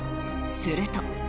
すると。